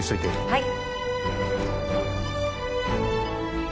はい。